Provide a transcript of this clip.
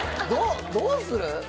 どどうする？